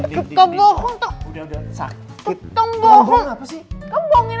kamu bohongin aku terus